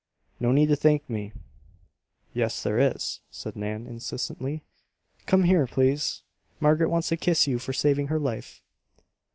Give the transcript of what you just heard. "No need to thank me." "Yes, there is," said Nan, insistently. "Come here, please. Margaret wants to kiss you for saving her life."